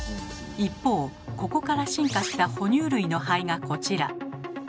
一方ここから進化した哺乳類の肺がこちら。